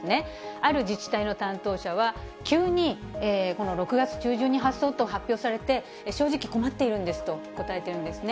ある自治体の担当者は、急にこの６月中旬に発送と発表されて、正直困っているんですと答えてるんですね。